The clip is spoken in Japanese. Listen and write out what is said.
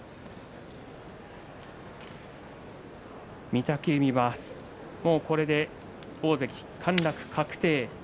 御嶽海は、これで大関陥落確定。